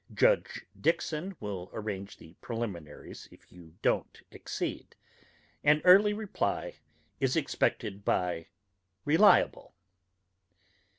Judge Dixon will arrange the preliminaries if you don't accede. An early reply is expected by RELIABLE.